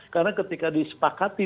karena ketika disepakati